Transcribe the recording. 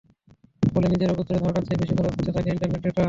ফলে নিজের অগোচরে ধারণার চেয়ে বেশি খরচ হতে থাকে ইন্টারনেট ডেটা।